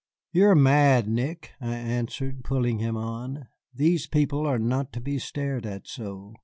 "You are mad, Nick," I answered, pulling him on, "these people are not to be stared at so.